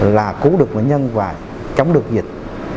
là cứu được người nhân và chống được dịch